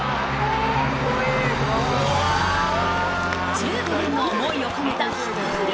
１５年の思いを込めた一振り。